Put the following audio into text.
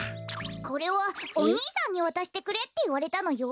これはおにいさんにわたしてくれっていわれたのよ。